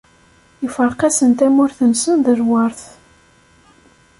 Iferq-asen tamurt-nsen d lweṛt.